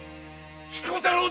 彦太郎か。